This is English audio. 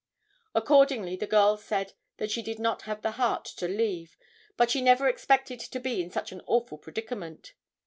Accordingly, the girl said that she did not have the heart to leave, but she never expected to be in such an awful predicament.